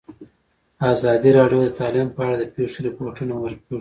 ازادي راډیو د تعلیم په اړه د پېښو رپوټونه ورکړي.